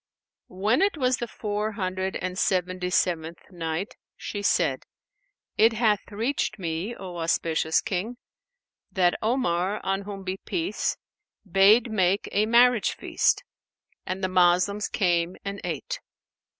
When it was the Four Hundred and Seventy seventh Night, She said, It hath reached me, O auspicious King, that Omar (on whom be peace!) bade make a marriage feast; and the Moslems came and ate.